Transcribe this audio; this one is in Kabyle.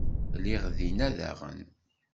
Lliɣ dinna, daɣen.